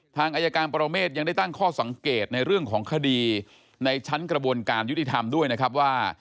ทางอายการปรเมฆยังได้ตั้งข้อสังเกตในเรื่องของคดีในชั้นกระบวนการยุติธรรมด้วยนะครับว่า